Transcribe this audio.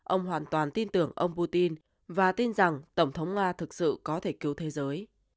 ông hoàn toàn tin tưởng ông putin và tin rằng tổng thống nga thực sự có thể cứu thế giới